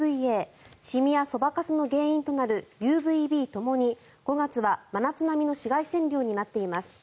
シミやそばかすの原因となるＵＶＢともに５月は真夏並みの紫外線量になっています。